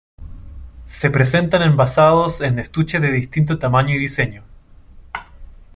Se presentan envasados en estuches de distinto tamaño y diseño.